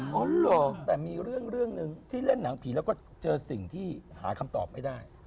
อ๋อเหรอแต่มีเรื่องหนึ่งที่เล่นหนังผีแล้วก็เจอสิ่งที่หาคำตอบไม่ได้